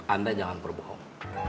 anda jangan berbohong